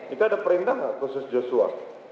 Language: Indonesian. itu ada perintah nggak khusus joshua